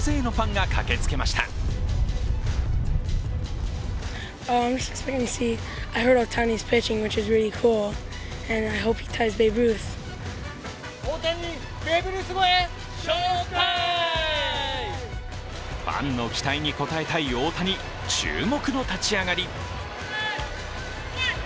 ファンの期待に応えたい大谷、注目の立ち上がり。